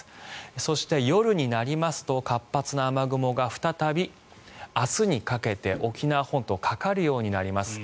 そして、夜になりますと活発な雨雲が再び明日にかけて、沖縄本島にかかるようになります。